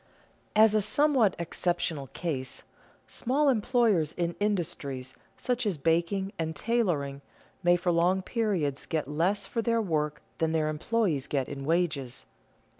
_ As a somewhat exceptional case, small employers in industries such as baking and tailoring, may for long periods get less for their work than their employees get in wages.